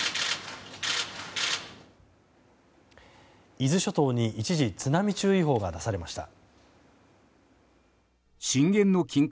伊豆諸島に一時津波注意報が出されました。